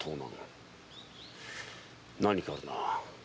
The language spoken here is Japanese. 何かあるな。